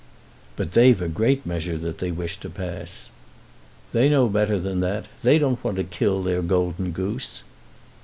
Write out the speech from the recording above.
"But they've a great measure that they wish to pass." "They know better than that. They don't want to kill their golden goose."